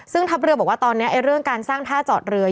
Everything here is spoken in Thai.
ซึ่งทัพเรือบอกว่าตอนนี้เรื่องการสร้างท่าจอดเรือ